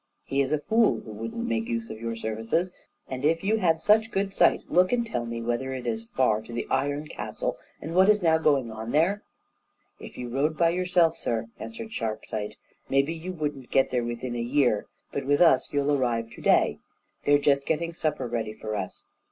"He is a fool who wouldn't make use of your services, and if you have such good sight, look and tell me whether it is far to the iron castle, and what is now going on there?" "If you rode by yourself, sir," answered Sharpsight, "maybe you wouldn't get there within a year; but with us you'll arrive to day they're just getting supper ready for us."